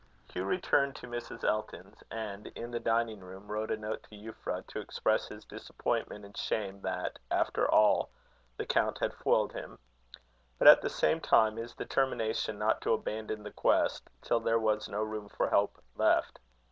Hugh returned to Mrs. Elton's, and, in the dining room, wrote a note to Euphra, to express his disappointment, and shame that, after all, the count had foiled him; but, at the same time, his determination not to abandon the quest, till there was no room for hope left.